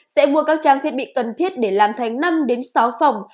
sẽ mua các trang thiết bị cần thiết để làm thành năm đến sáu phòng